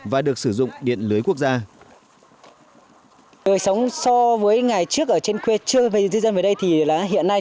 và được sử dụng điện lưới quốc gia